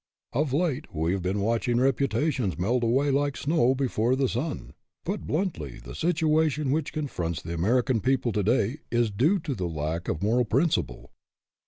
... Of late we have been watching reputations melt away like snow before the sun. ... Put bluntly, the situation which confronts the American people to day is due to the lack of moral principle."